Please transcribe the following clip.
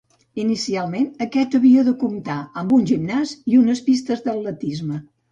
Inicialment, aquest havia de comptar, amb un gimnàs i unes pistes d'atletisme.